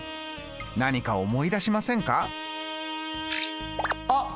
何か思い出しませんか？